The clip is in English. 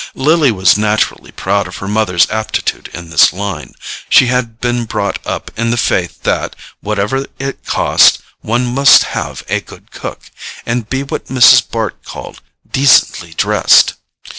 Lily was naturally proud of her mother's aptitude in this line: she had been brought up in the faith that, whatever it cost, one must have a good cook, and be what Mrs. Bart called "decently dressed."